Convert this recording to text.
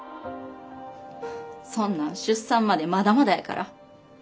そんなん出産までまだまだやから。